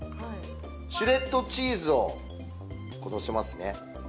シュレッドチーズをのせますね